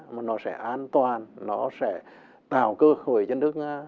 mà nó sẽ an toàn nó sẽ tạo cơ hội cho nước nga